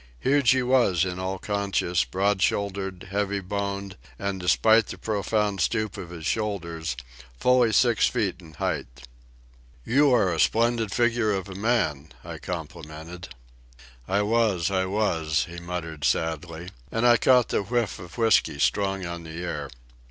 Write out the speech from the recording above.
Huge he was in all conscience, broad shouldered, heavy boned, and, despite the profound stoop of his shoulders, fully six feet in height. "You are a splendid figure of a man," I complimented. "I was, I was," he muttered sadly, and I caught the whiff of whiskey strong on the air.